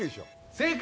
正解！